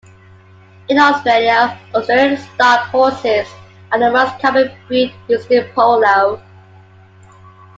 In Australia, Australian Stock Horses are the most common breed used in polo.